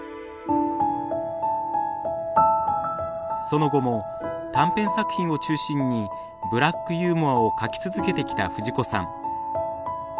その後も短編作品を中心にブラックユーモアを描き続けてきた藤子さん。